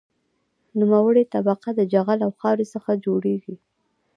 نوموړې طبقه د جغل او خاورې څخه جوړیږي